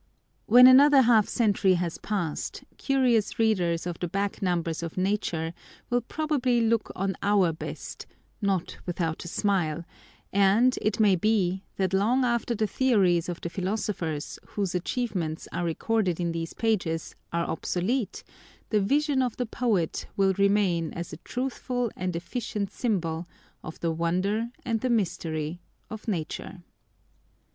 When another half century has passed, curious readers of the back numbers of Nature will probably look on our best, “not without a smile ;” and, it may be, that long after the theories of the philosophers whose achievements are recorded in these pages, are obsolete, the vision of the poet will remain as a truthful and efficient symbol of the wonder and the mystery of Nature.